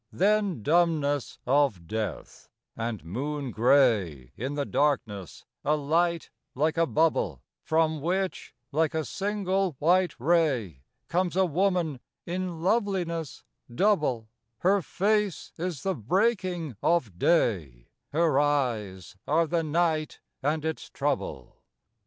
Then dumbness of death; and, moon gray, In the darkness a light like a bubble, From which, like a single white ray, Comes a woman in loveliness double; Her face is the breaking of day, Her eyes are the night and its trouble.